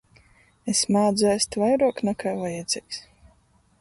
Es mādzu ēst vairuok, nakai vajadzeigs.